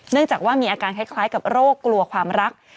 จากว่ามีอาการคล้ายกับโรคกลัวความรัก